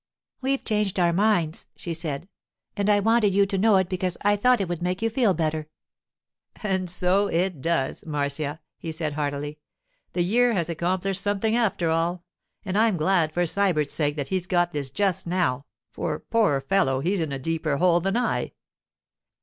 'We've changed our minds,' she said; 'and I wanted you to know it because I thought it would make you feel better.' 'And so it does, Marcia,' he said heartily. 'The year has accomplished something, after all; and I'm glad for Sybert's sake that he's got this just now, for, poor fellow, he's in a deeper hole than I.